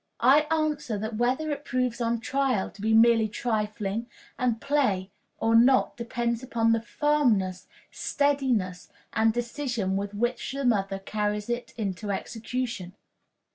I answer that whether it proves on trial to be merely trifling and play or not depends upon the firmness, steadiness, and decision with which the mother carries it into execution.